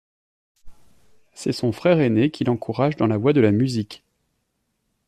C'est son frère ainé qui l'encourage dans la voie de la musique.